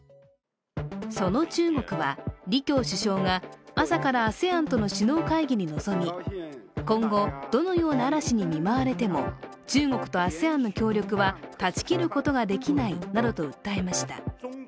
その中国は、李強首相が朝からＡＳＥＡＮとの首脳会議に臨み今後どのような嵐に見舞われても中国とＡＳＥＡＮの協力は断ち切ることができないなどと訴えました。